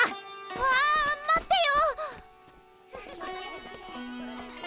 あ待ってよ！